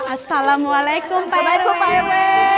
assalamualaikum pak rw